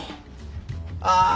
ああ。